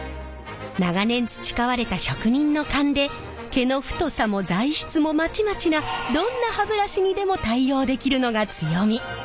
長年培われた職人の勘で毛の太さも材質もまちまちなどんな歯ブラシにでも対応できるのが強み。